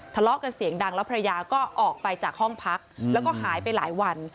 ทะเลาะกันเสียงดังแล้วภรรยาก็ออกไปจากห้องพักแล้วก็หายไปหลายวัน